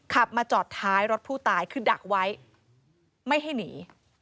ขับมาจอดท้ายรถผู้ตายคือดักไว้ไม่ให้หนี